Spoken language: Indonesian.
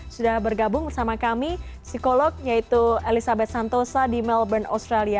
sudah bergabung bersama kami psikolog yaitu elizabeth santosa di melbourne australia